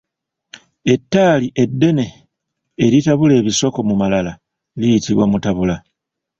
Ettaali eddene eritabula ebisoko mu malala liyitibwa mutabula.